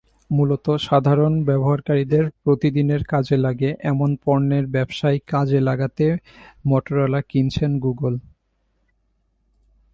মূলত সাধারণ ব্যবহারকারীদের প্রতিদিনের কাজে লাগে—এমন পণ্যের ব্যবসায় কাজে লাগাতেই মটোরোলা কিনেছিল গুগল।